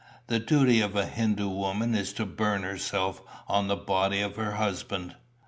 The duty of a Hindoo widow is to burn herself on the body of her husband.